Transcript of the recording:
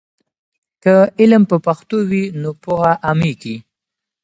که علم په پښتو وي نو پوهه عامېږي.